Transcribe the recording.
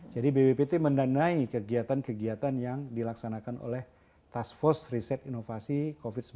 jadi bbpt mendanai kegiatan kegiatan yang dilaksanakan oleh task force riset inovasi covid sembilan belas